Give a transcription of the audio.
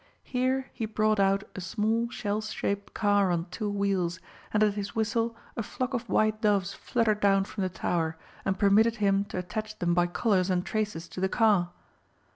Here he brought out a small shell shaped car on two wheels, and at his whistle a flock of white doves fluttered down from the tower, and permitted him to attach them by collars and traces to the car.